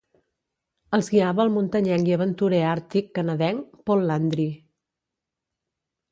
Els guiava el muntanyenc i aventurer àrtic canadenc Paul Landry.